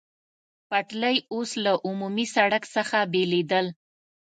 پټلۍ اوس له عمومي سړک څخه بېلېدل.